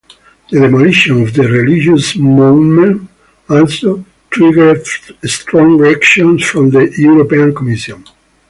The demolition of the religious monument also triggered strong reactions from the European Commission.